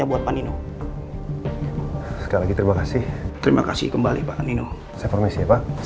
sama sama pak permisi